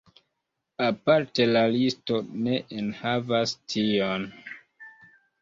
Aparte la listo ne enhavas tion.